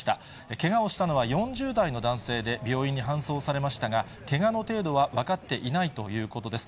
けがをしたのは４０代の男性で、病院に搬送されましたが、けがの程度は分かっていないということです。